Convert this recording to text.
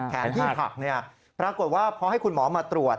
แผนที่ผักปรากฏว่าพอให้คุณหมอมาตรวจ